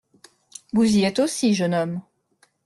Vous y êtes aussi, jeune homme.